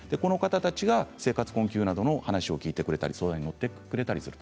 生活困窮などの話を聞いてくれたり相談に乗ってくれたりします。